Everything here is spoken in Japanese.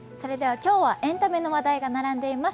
今日はエンタメの話題が並んでいます。